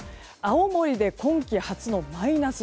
青森で今季初のマイナス。